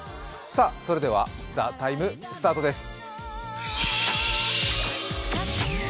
それでは「ＴＨＥＴＩＭＥ，」スタートです。